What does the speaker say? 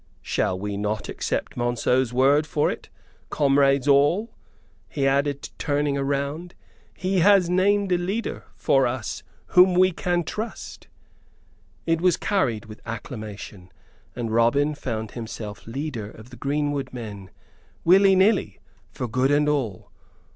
Shall we not accept Monceux's word for it, comrades all?" he added turning round. "He has named a leader for us whom we can trust." It was carried with acclamation, and Robin found himself leader of the greenwood men willy nilly, for good and all.